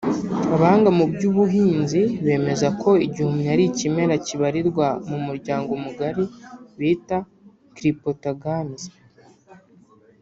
Abahanga mu by’ubuhinzi bemeza ko igihumyo ari ikimera kibarirwa mu muryango mugari bita Cryptogames